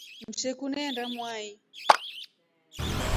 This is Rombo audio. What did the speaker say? Usheku neenda mwai.